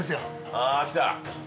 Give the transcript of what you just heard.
◆あー来た。